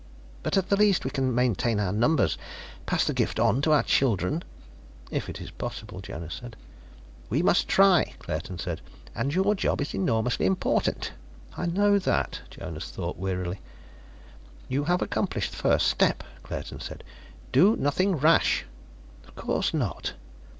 But at the least we can maintain our numbers, pass the gift on to our children " "If it is possible," Jonas said. "We must try," Claerten said. "And your job is enormously important." "I know that," Jonas thought wearily. "You have accomplished the first step," Claerten said. "Do nothing rash." "Of course not."